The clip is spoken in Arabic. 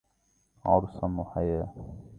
عرساً.. وحياه!